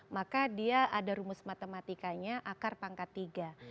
maka dia ada rumus matematikanya akar pangkat tiga